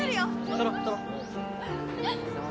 撮ろう撮ろう。